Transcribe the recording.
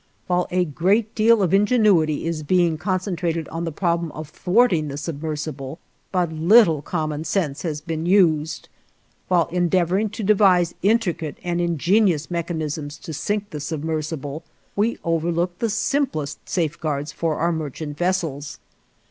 While a great deal of ingenuity is being concentrated on the problem of thwarting the submersible, but little common sense has been used. While endeavoring to devise intricate and ingenious mechanisms to sink the submersible, we overlook the simplest safeguards for our merchant vessels.